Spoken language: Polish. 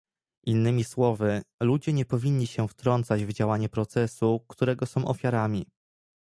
Innymi słowy, ludzie nie powinni się wtrącać w działanie procesu, którego są ofiarami